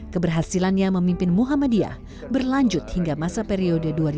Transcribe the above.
keberhasilannya memimpin muhammadiyah berlanjut hingga masa periode dua ribu